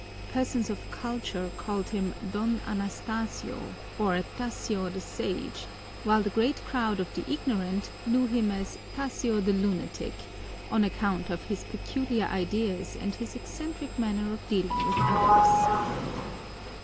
Persons of culture called him Don Anastasio, or Tasio the Sage, while the great crowd of the ignorant knew him as Tasio the Lunatic, on account of his peculiar ideas and his eccentric manner of dealing with others.